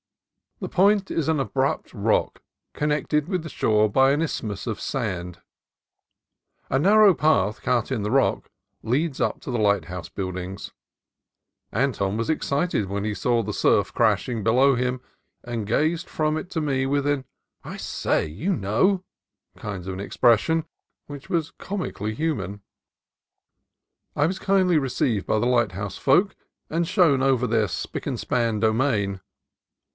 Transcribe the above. The Point is an abrupt rock connected with the shore by an isthmus of sand. A narrow path cut in the rock leads up to the lighthouse buildings. Anton was excited when he saw the surf crashing below him, and gazed from it to me with an "I say, you know !'' kind of expression that was comically human. I was kindly received by the lighthouse folk, and shown over their spick and span domain.